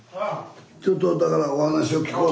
ちょっとだからお話を聞こうと思って。